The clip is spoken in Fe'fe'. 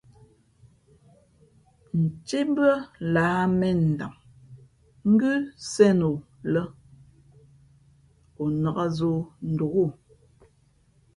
Ntímbʉ́ά lah mēn ndam ngʉ́ sēn o lά, o nāk zǒ ndôk o.